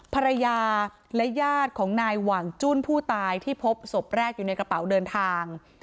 ภรรยาและญาติของนายหว่างจุ้นผู้ตายที่พบศพแรกอยู่ในกระเป๋าเดินทาง